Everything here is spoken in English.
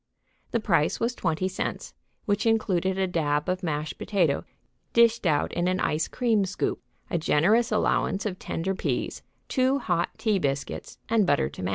The price was twenty cents, which included a dab of mashed potato dished out in an ice cream scoop, a generous allowance of tender peas, two hot tea biscuits and butter to match.